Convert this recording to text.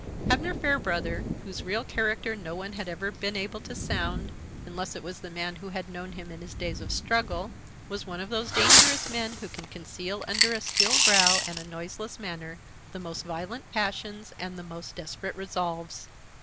Abner Fairbrother, whose real character no one had ever been able to sound, unless it was the man who had known him in his days of struggle, was one of those dangerous men who can conceal under a still brow and a noiseless manner the most violent passions and the most desperate resolves.